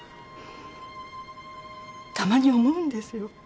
たまに思うんですよ。